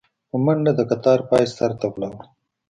په منډه د کتار پاى سر ته ولاړو.